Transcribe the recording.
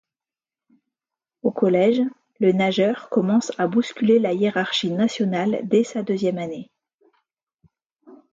Au collège, le nageur commence à bousculer la hiérarchie nationale dès sa deuxième année.